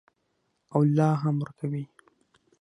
او لا هم ورکوي.